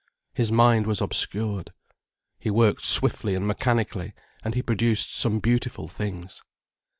His mind was obscured. He worked swiftly and mechanically, and he produced some beautiful things.